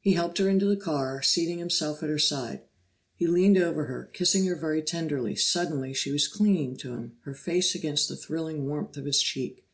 He helped her into the car, seating himself at her side. He leaned over her, kissing her very tenderly; suddenly she was clinging to him, her face against the thrilling warmth of his cheek.